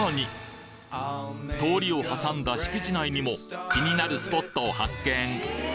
通りを挟んだ敷地内にも気になるスポットを発見